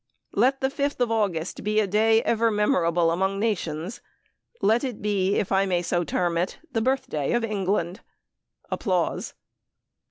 Let the 5th August be a day ever memorable among nations. Let it be, if I may so term it, the birthday of England.